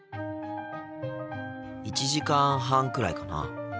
１時間半くらいかな。